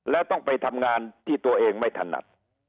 แล้วต้องไปทำงานที่ตัวเองไม่ถนัด